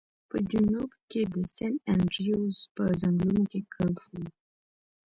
په جنوري کې د سن انډریوز په ځنګلونو کې ګلف و